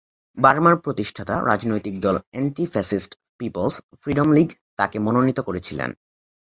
বার্মার প্রতিষ্ঠাতা রাজনৈতিক দল অ্যান্টি-ফ্যাসিস্ট পিপলস ফ্রিডম লীগ তাকে মনোনীত করেছিলেন।